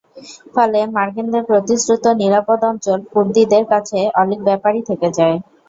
ফলে মার্কিনদের প্রতিশ্রুত নিরাপদ অঞ্চল কুর্দিদের কাছে অলীক ব্যাপারই থেকে যায়।